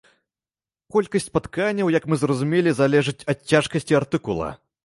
Колькасць спатканняў, як мы зразумелі, залежыць ад цяжкасці артыкула.